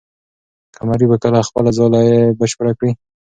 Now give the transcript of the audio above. قمري به کله خپله ځالۍ بشپړه کړي؟